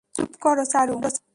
চুপ করো, চারু।